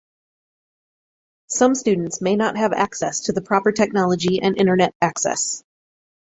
Some students may not have access to the proper technology and internet access.